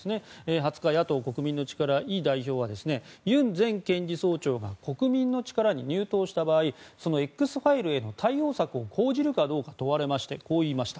２０日、野党・国民の力のイ代表は、ユン前検事総長が国民の力に入党した場合Ｘファイルへの対応策を講じるかどうか問われましてこう言いました。